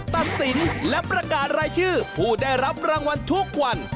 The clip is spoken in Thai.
ตัดสินและประกาศรายชื่อผู้ได้รับรางวัลทุกวัน